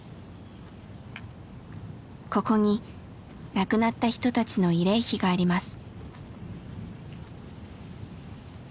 ここに亡くなった人たちの慰霊碑があります。